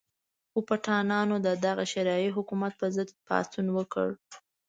خو پټانانو د دغه شرعي حکومت په ضد پاڅون وکړ.